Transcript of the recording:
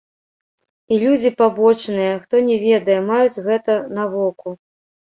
І людзі пабочныя, хто не ведае, маюць гэта на воку.